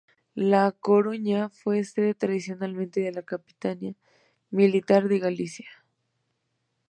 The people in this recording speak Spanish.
La Coruña fue sede tradicionalmente de la Capitanía Militar de Galicia.